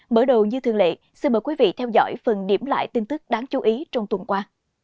bởi đầu như thường lệ xin mời quý vị theo dõi phần điểm lại tin tức đáng chú ý trong tuần qua